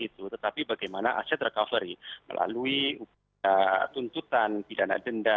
tetapi bagaimana aset recovery melalui tuntutan pidana denda